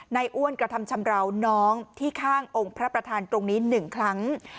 อ้วนกระทำชำราวน้องที่ข้างองค์พระประธานตรงนี้๑ครั้ง